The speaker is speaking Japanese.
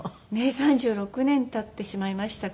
３６年経ってしまいましたから。